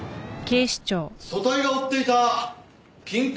組対が追っていた金塊